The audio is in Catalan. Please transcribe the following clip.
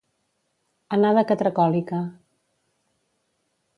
Anar de catracòlica.